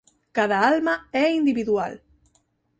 Cada alma é individual.